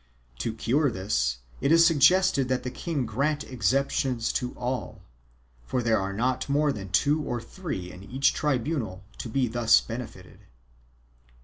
To cure this it is suggested that the king grant exemptions to all, for there are not more than two or three in each tribunal to be thus benefited.